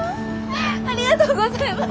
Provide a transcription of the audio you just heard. ありがとうございます！